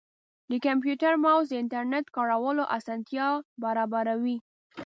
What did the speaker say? د کمپیوټر ماؤس د انټرنیټ کارولو اسانتیا برابروي.